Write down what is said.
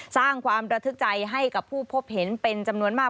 สร้างความระทึกใจให้กับผู้พบเห็นเป็นจำนวนมาก